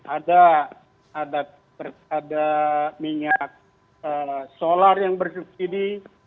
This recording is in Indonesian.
ada minyak solar yang bersubsidi